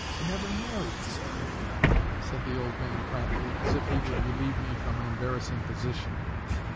"Were never married, sir," said the old man promptly, as if he would relieve me from an embarrassing position.